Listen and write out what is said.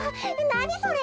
なにそれ。